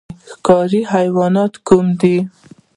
ښکاري حیوانات کوم دي؟